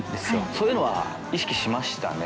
そういうのは意識しましたね。